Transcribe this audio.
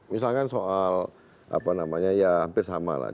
misalkan soal ya hampir sama lah